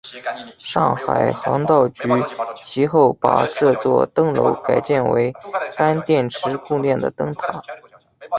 上海航道局其后把这座灯楼改建为干电池供电的灯塔。